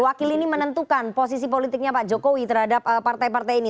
wakil ini menentukan posisi politiknya pak jokowi terhadap partai partai ini